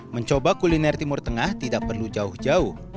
mencoba kuliner timur tengah tidak perlu jauh jauh